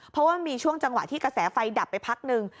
เพราะว่ามีช่วงจังหวะที่กระแสไฟดับไปพักหนึ่ง